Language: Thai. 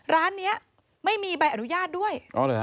ร้านนี้ไม่มีใบอนุญาตด้วย